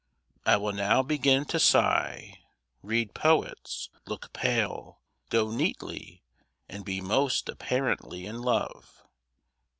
I will now begin to sigh, read poets, look pale, go neatly, and be most apparently in love.